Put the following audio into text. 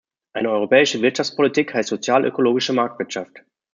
Eine europäische Wirtschaftspolitik heißt sozialökologische Marktwirtschaft.